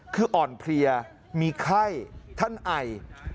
คืออ่อนเพลียมีไข้ท่านไอ